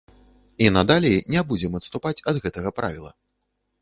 І надалей не будзем адступаць ад гэтага правіла.